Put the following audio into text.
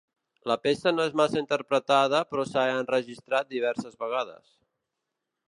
La peça no és massa interpretada però s'ha enregistrat diverses vegades.